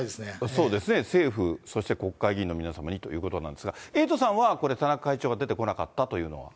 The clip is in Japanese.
そうですね、政府、そして国会の議員の皆様にということなんですが、エイトさんはこれ、田中会長が出てこなかったというのは？